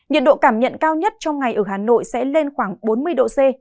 nhiệt độ cảm nhận cao nhất trong ngày ở hà nội sẽ lên khoảng bốn mươi độ c